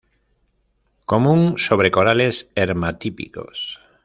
Común sobre corales hermatípicos.